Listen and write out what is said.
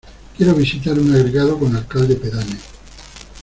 Quiero visitar un agregado con alcalde pedáneo.